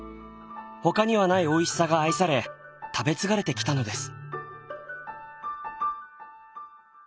他にはないおいしさが愛され食べ継がれてきたのです。